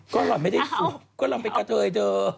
ก็เราไม่ได้สวยก็เราไปกระเจยเจอ